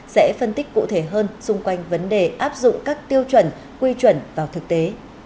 sẽ phân tích cụ thể hơn xung quanh vấn đề áp dụng các tiêu chuẩn quy chuẩn vào thực tế